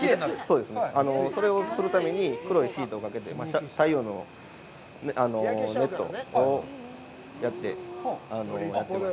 それをするために黒いシートをかけて、ネットをしています。